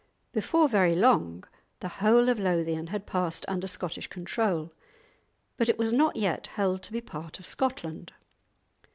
Before very long the whole of Lothian had passed under Scottish control; but it was not yet held to be part of Scotland.